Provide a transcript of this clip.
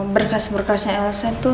berkas berkasnya elsa itu